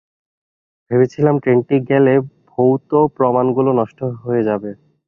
ভেবেছিলাম ট্রেনটি গেলে ভৌত প্রমানগুলো নষ্ট হয়ে যাবে।